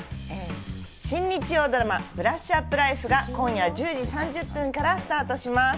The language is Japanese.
新日曜ドラマ、ブラッシュアップライフが今夜１０時３０分からスタートします。